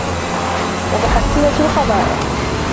وَمُحَسِّنَةُ الْقَبَائِحِ